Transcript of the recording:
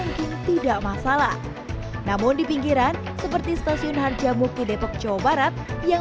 mungkin tidak masalah namun di pinggiran seperti stasiun harjamukti depok jawa barat yang